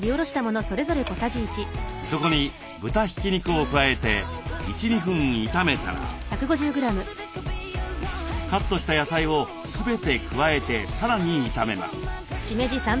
そこに豚ひき肉を加えて１２分炒めたらカットした野菜を全て加えてさらに炒めます。